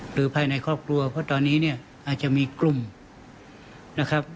ภายในครอบครัวเพราะตอนนี้เนี่ยอาจจะมีกลุ่มนะครับ